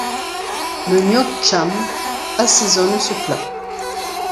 Le nước chấm assaisonne ce plat.